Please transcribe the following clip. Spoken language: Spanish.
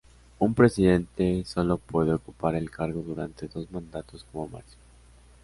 Un presidente solo puede ocupar el cargo durante dos mandatos como máximo.